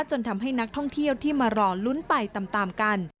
จนทำให้นักท่องเที่ยวที่มารอลุ้นไปตามกัน